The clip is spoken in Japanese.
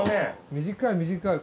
短い短い。